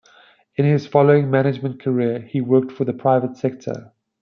In his following management career he worked for the private sector.